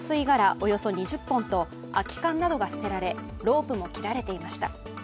およそ２０本と空き缶などが捨てられ、ロープも切られていました。